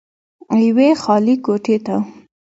يوې خالې کوټې ته